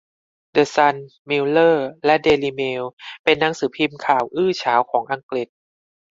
เดอะซัน มิลเลอร์และเดลิเมลเป็นหนังสือพิมพ์ข่าวอื้อฉาวของอังกฤษ